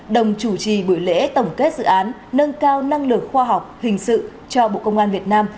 đồng chủ trì buổi lễ tổng kết dự án nâng cao năng lực khoa học hình sự cho bộ công an việt nam